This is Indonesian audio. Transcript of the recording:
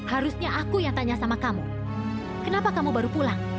harusnya aku yang tanya sama kamu kenapa kamu baru pulang